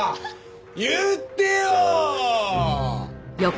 言ってよ！